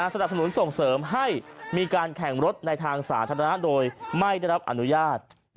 สนับสนุนส่งเสริมให้มีการแข่งรถในทางสาธารณะโดยไม่ได้รับอนุญาต